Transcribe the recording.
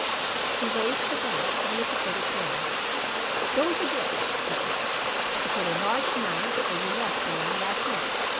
He raised the glass, only to put it down. "Don't forget," he said, "to put a large knife where you left the one last night.